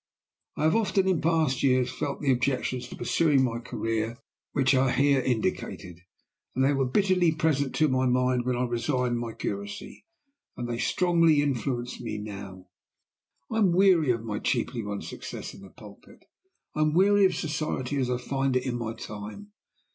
"I have often, in past years, felt the objections to pursuing my career which are here indicated. They were bitterly present to my mind when I resigned my curacy, and they strongly influence me now. "I am weary of my cheaply won success in the pulpit. I am weary of society as I find it in my time.